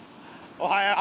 おはよう。